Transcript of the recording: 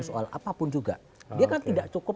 soal apapun juga dia kan tidak cukup